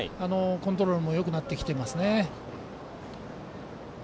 コントロールもよくなってきていますね。